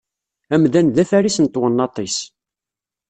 Amdan d afaris n twennaḍt-is.